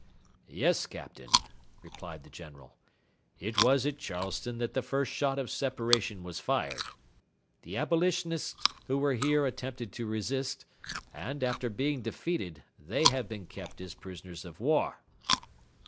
"Yes, Captain," replied the General, "it was at Charleston that the first shot of separation was fired. The Abolitionists who were here attempted to resist, and, after being defeated, they have been kept as prisoners of war."